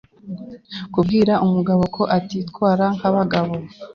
Kubwira umugabo ko atitwara nk’abagabo